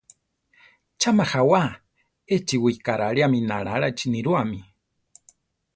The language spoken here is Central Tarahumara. Cha majawá! Échi wikaráliami Nalaláchi nirúami.